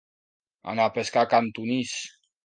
Anar a pescar a can Tunis.